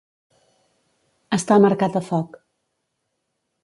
Estar marcat a foc.